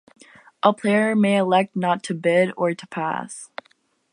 A player may elect not to bid, or to "pass".